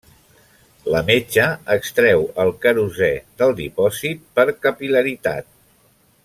La metxa extreu el querosè del dipòsit per capil·laritat.